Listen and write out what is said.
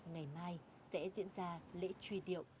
ngày mai sẽ diễn ra lễ truy điệu